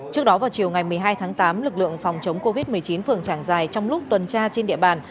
trước đó vào chiều ngày một mươi hai tháng tám lực lượng phòng chống covid một mươi chín phường trảng dài trong lúc tuần tra trên địa bàn